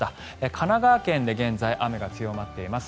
神奈川県で現在、雨が強まっています。